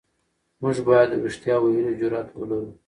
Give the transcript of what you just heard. موږ بايد د رښتيا ويلو جرئت ولرو.